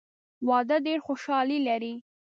واده ډېره خوشحالي لري.